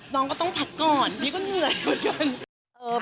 น้องก็ต้องพักก่อนพี่ก็เหนื่อยเหมือนกัน